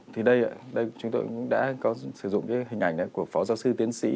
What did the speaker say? thì đây chúng tôi cũng đã có sử dụng cái hình ảnh của phó giáo sư tiến sĩ